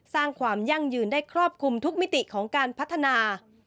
สร้างความยั่งยืนได้ครอบคลุมทุกมิติของการพัฒนา